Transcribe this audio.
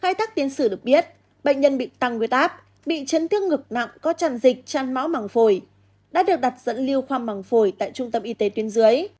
hai tác tiến sử được biết bệnh nhân bị tăng nguyết áp bị chấn thương ngực nặng có chăn dịch chăn máu mảng phổi đã được đặt dẫn lưu khoa mảng phổi tại trung tâm y tế tuyến dưới